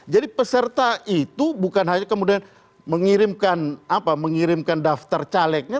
jadi peserta itu bukan hanya kemudian mengirimkan daftar calegnya